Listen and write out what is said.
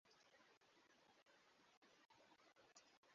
Binti huyo akapata ujauzito.